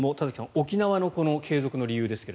沖縄の継続の理由ですが。